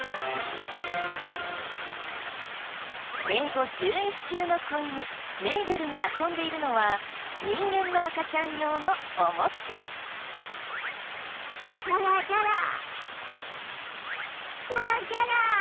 生後１１週の子犬メイベルが遊んでいるのは人間の赤ちゃん用のおもちゃ。